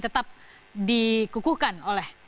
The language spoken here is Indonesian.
tetap dikukuhkan oleh